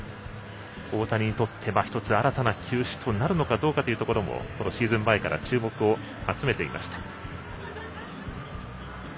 大谷にとって１つ新たな球種となるかどうかもシーズン前から注目を集めていました。